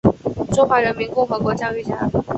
中华人民共和国教育家。